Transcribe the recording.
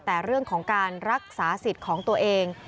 แต่เรื่องของการรักษาสิทธิ์ของตัวเอง